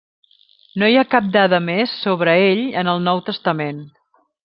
No hi ha cap dada més sobre ell en el Nou Testament.